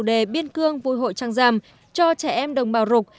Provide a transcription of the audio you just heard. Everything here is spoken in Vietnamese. đề biên cương vui hội trăng rằm cho trẻ em đồng bào rục